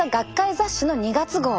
雑誌の２月号。